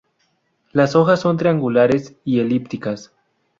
Las hojas son triangulares y elípticas.